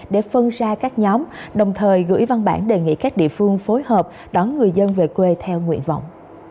để phân ra các nhóm đồng thời gửi văn bản đề nghị các địa phương phối hợp đón người dân về quê theo nguyện vọng